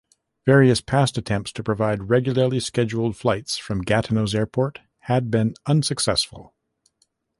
Various past attempts to provide regularly scheduled flights from Gatineau's airport had been unsuccessful.